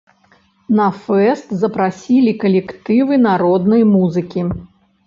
На фэст запрасілі калектывы народнай музыкі.